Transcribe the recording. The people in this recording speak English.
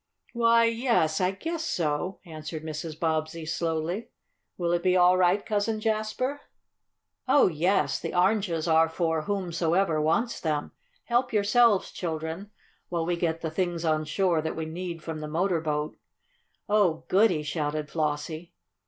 "Why, yes, I guess so," answered Mrs. Bobbsey slowly. "Will it be all right, Cousin Jasper?" "Oh, yes, the oranges are for whomsoever wants them. Help yourselves, children, while we get the things on shore that we need from the motor boat." "Oh, goody!" shouted Flossie.